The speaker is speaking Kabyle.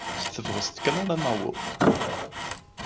S tebɣest kan ara naweḍ.